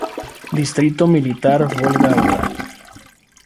Distrito militar Volga-Ural.